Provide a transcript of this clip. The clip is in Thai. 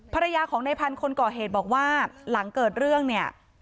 ภรรยาของในพันธุ์คนก่อเหตุบอกว่าหลังเกิดเรื่องเนี่ย